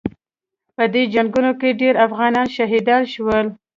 په دې جنګونو کې ډېر افغانان شهیدان شول.